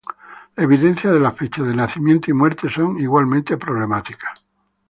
La evidencia de las fechas de nacimiento y muerte son igualmente problemáticas.